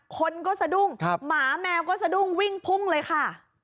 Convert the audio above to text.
คนก็สะดุ้งหมาแมวก็สะดุ้งวิ่งพุ่งเลยค่ะ